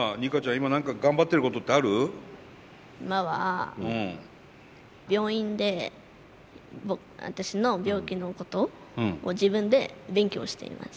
今は病院で私の病気のことを自分で勉強しています。